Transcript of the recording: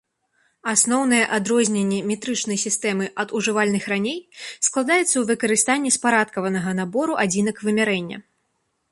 Асноўнае адрозненне метрычнай сістэмы ад ужывальных раней складаецца ў выкарыстанні спарадкаванага набору адзінак вымярэння.